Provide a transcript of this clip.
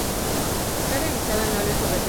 Está realizado en óleo sobre tela.